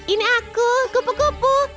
ini aku kupu kupu